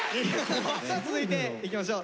さあ続いていきましょう。